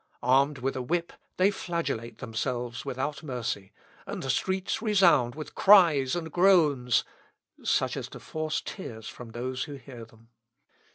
Armed with a whip, they flagellate themselves without mercy, and the streets resound with cries and groans, such as to force tears from those who hear them.